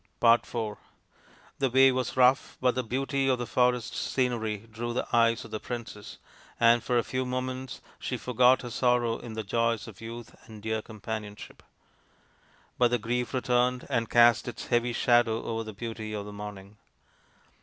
IV The way was rough, but the beauty of the forest scenery drew the eyes of the princess, and for a few moments she forgot her sorrow in the joys of youth and dear companionship. But the grief returned and cast its heavy shadow over the beauty of the morning.